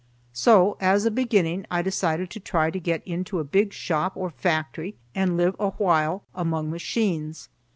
So, as a beginning, I decided to try to get into a big shop or factory and live a while among machines.